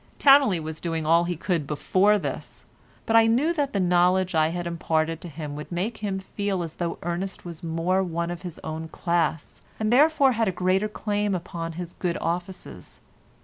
Towneley was doing all he could before this, but I knew that the knowledge I had imparted to him would make him feel as though Ernest was more one of his own class, and had therefore a greater claim upon his good offices.